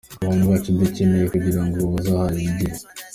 Abana bacu dukeneye kugira ngo bazahigire.